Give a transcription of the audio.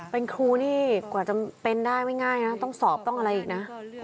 เป็นครูนี่กว่าจะเป็นได้ไม่ง่ายนะต้องสอบต้องอะไรอีกนะ